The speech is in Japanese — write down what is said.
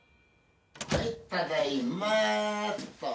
はいただいまっと。